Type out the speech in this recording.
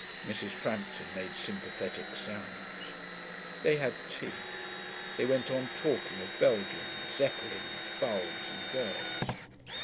Mrs. Frampton made sympathetic sounds. They had tea. They went on talking, of Belgians, Zeppelins, bulbs, and Girls.